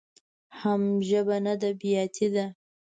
حم ژبه نده بياتي ده.